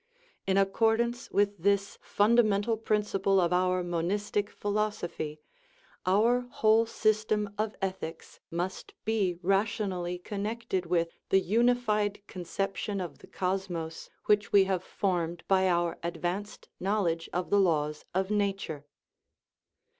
In accord ance with this fundamental principle of our monistic philosophy, our whole system of ethics must be ration ally connected with the unified conception of the cos mos which we have formed by our advanced knowl edge of the laws of nature.